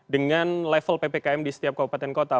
dengan level ppkm di setiap kabupaten kota